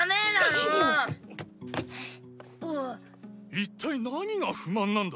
一体何が不満なんだ。